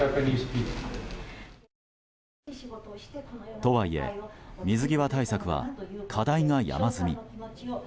とはいえ、水際対策は課題が山積み。